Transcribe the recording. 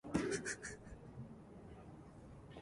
北海道弟子屈町